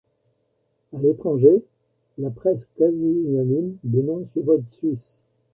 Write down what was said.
À l'étranger, la presse quasi unanime dénonce le vote suisse.